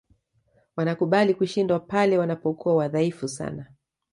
wanakubali kushindwa pale wanapokuwa wadhaifu sana